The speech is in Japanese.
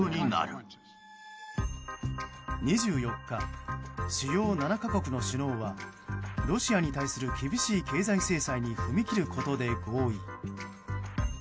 ２４日、主要７か国の首脳はロシアに対する厳しい経済制裁に踏み切ることで合意。